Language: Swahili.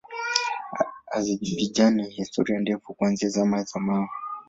Azerbaijan ina historia ndefu kuanzia Zama za Mawe.